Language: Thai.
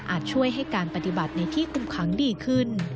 ช่วยให้การปฏิบัติในที่คุมขังดีขึ้น